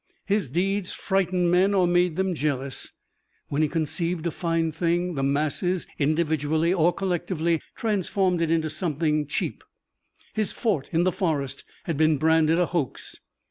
His deeds frightened men or made them jealous. When he conceived a fine thing, the masses, individually or collectively, transformed it into something cheap. His fort in the forest had been branded a hoax.